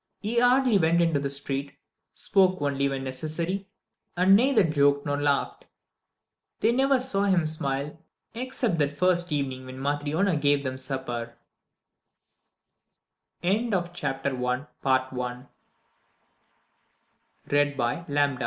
He hardly went into the street, spoke only when necessary, and neither joked nor laughed. They never saw him smile, except that first evening when Matryona gave them supper. VI Day by day and week by week the year went round.